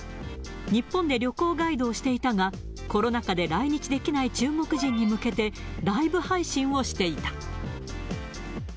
日本で旅行ガイドをしていたが、コロナ禍で来日できない中国人に向けてライブ配信をしていた。